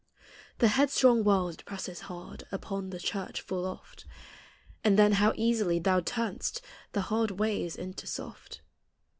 The headstrong world it presses hard Upon the church full oft. And then how easily thou turn'st The hard ways into soft.